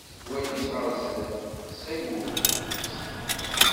Walit ɣer zdat ttxil-wet!